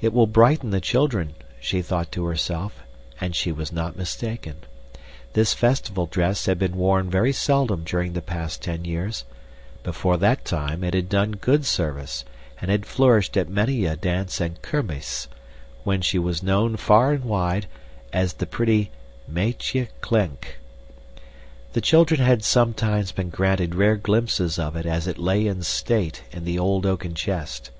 It will brighten the children, she thought to herself, and she was not mistaken. This festival dress had been worn very seldom during the past ten years; before that time it had done good service and had flourished at many a dance and kermis, when she was known, far and wide, as the pretty Meitje Klenck. The children had sometimes been granted rare glimpses of it as it lay in state in the old oaken chest.